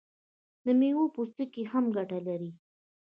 د میوو پوستکي هم ګټه لري.